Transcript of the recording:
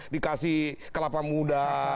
dikasih kelapa muda